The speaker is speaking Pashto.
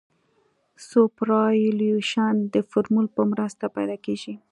سوپرایلیویشن د فورمول په مرسته پیدا کیږي